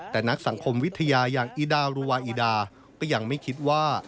แต่นักสังคมวิทยาอย่างอีดารุวาอิดาก็ยังไม่คิดว่า